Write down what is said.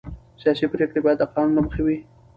سیاسي پرېکړې باید د قانون له مخې وي